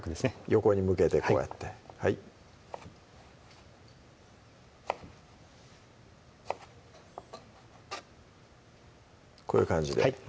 横に向けてこうやってはいこういう感じではい